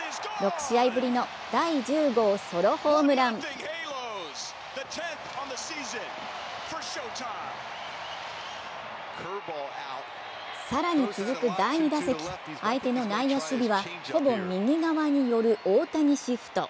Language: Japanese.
６試合ぶりの第１０号ソロホームラン更に、続く第２打席、相手の内野守備はほぼ右側に寄る大谷シフト。